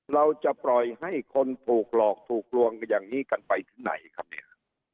เราจะปล่อยให้คนถูกหลอกถูกลวงอย่างนี้กันไปถึงไหนครับเนี่ย